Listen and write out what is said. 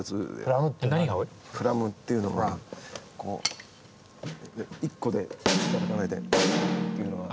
フラムっていうのは１個でたたかないでっていうのが。